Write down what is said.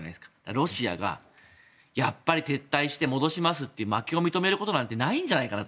ロシアがやっぱり撤退して戻しますって負けを認めることなんてないんじゃないかなと。